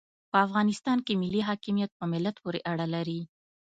په افغانستان کې ملي حاکمیت په ملت پوري اړه لري.